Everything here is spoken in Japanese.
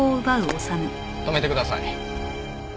止めてください。